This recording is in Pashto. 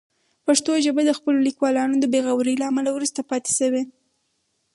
پښتو ژبه د خپلو لیکوالانو د بې غورۍ له امله وروسته پاتې شوې.